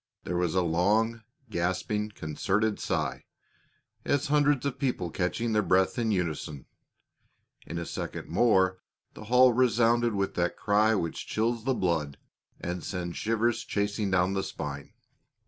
There was a long, gasping, concerted sigh, as of hundreds of people catching their breath in unison; in a second more the hall resounded with that cry which chills the blood and sends shivers chasing down the spine.